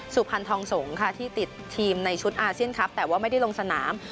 สุพรรณทองสงฆ์ค่ะที่ติดทีมในชุดอาเซียนคลับแต่ว่าไม่ได้ลงสนาม